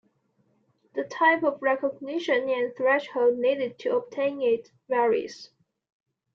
The type of recognition and threshold needed to obtain it varies.